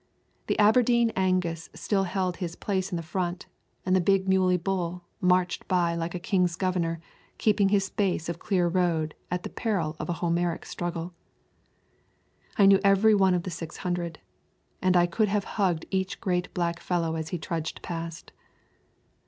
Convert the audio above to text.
The Aberdeen Angus still held his place in the front, and the big muley bull marched by like a king's governor, keeping his space of clear road at the peril of a Homeric struggle. I knew every one of the six hundred, and I could have hugged each great black fellow as he trudged past.